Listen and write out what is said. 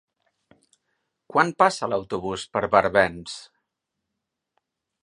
Quan passa l'autobús per Barbens?